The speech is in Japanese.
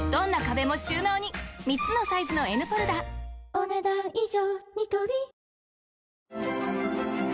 お、ねだん以上。